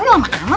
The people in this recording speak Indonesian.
udah lama banget